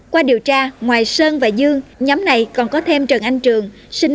qua điều tra ngoài sơn và dương nhóm này còn có thêm trần anh trường sinh